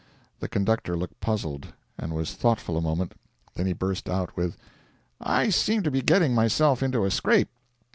The conductor looked puzzled, and was thoughtful a moment; then he burst out with: 'I seem to be getting myself into a scrape!